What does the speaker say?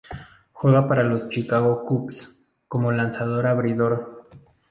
Juega para los Chicago Cubs como lanzador abridor.